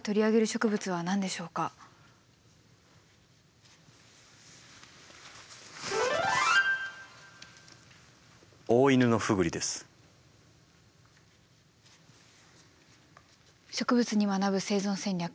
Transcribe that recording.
「植物に学ぶ生存戦略」。